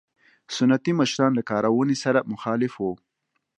سنتي مشران له کارونې سره مخالف وو.